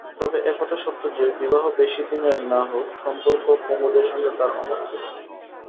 তবে, একথা সত্য যে বিবাহ বেশিদিনের না হোক সম্পর্ক কুমুদের সঙ্গে তার অনেকদিনের।